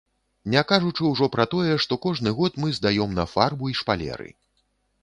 Не кажучы ўжо пра тое, што кожны год мы здаём на фарбу і шпалеры.